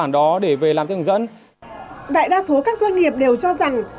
đại đa số các doanh nghiệp đều cho rằng